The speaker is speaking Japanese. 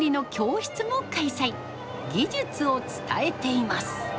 技術を伝えています。